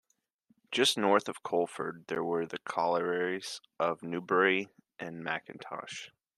Just north of Coleford there were the collieries of Newbury and Mackintosh.